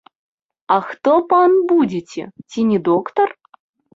А хто, пан, будзеце, ці не доктар?